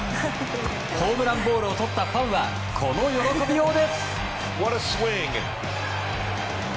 ホームランボールを取ったファンは、この喜びよう。